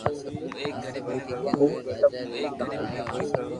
اوري تمو ني ڪھاني ھڻاوُ